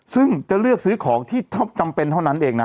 ซึ่งจะเลือกซื้อของที่จำเป็นเท่านั้นเองนะ